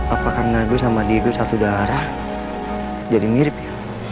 apa karena gue sama diego satu darah jadi mirip ya